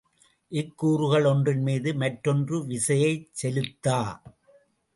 இக்கூறுகள் ஒன்றின்மீது மற்றொன்று விசையைச் செலுத்தா.